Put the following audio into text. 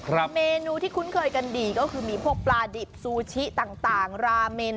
เรียกว่าเชฟเทบล์